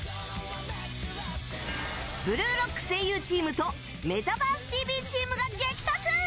「ブルーロック」声優チームと「メタバースＴＶ！！」チームが激突！